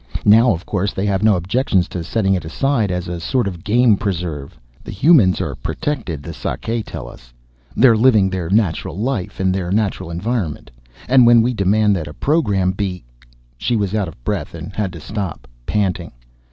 Now, of course, they have no objection to setting it aside as a sort of game preserve. The humans are protected, the Sakae tell us. They're living their natural life in their natural environment, and when we demand that a program be " She was out of breath and had to stop, panting.